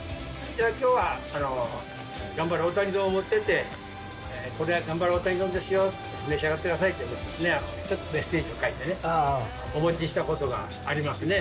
きょうは、がんばれ大谷丼を持っていって、これが、がんばれ大谷丼ですよ、召し上がってくださいって、ちょっとメッセージを書いてね、お持ちしたことがありますね。